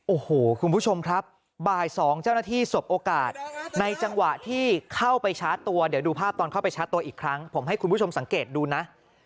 โอ้โหคุณผู้ชมครับบ่าย๒เจ้าหน้าที่สบโอกาสในจังหวะที่เข้าไปชาร์จตัวเดี๋ยวดูภาพตอนเข้าไปชาร์จตัวอีกครั้งผมให้คุณผู้ชมสังเกตดูนะ